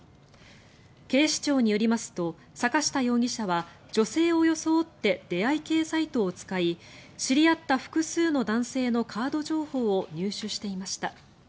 警視庁によりますと坂下容疑者は女性を装って出会い系サイトを使い知り合った複数の男性のカード情報を入手していました。